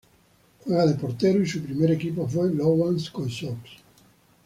Juega de portero y su primer equipo fue Louhans-Cuiseaux.